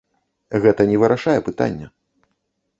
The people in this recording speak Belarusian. Гэта не вырашае пытання.